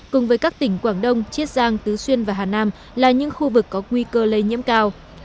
cùng với các tỉnh quảng đông chiết giang tứ xuyên và hà nam là những khu vực có nguy cơ lây nhiễm cao